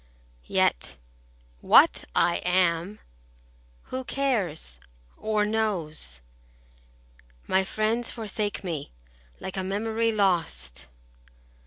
yet what I am who cares, or knows? My friends forsake me like a memory lost.